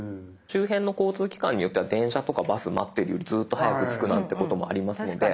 周辺の交通機関によっては電車とかバス待ってるよりずっと早く着くなんてこともありますので。